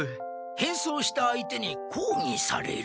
変装した相手にこうぎされる。